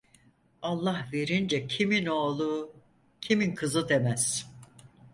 Allah verince kimin oğlu, kimin kızı demez.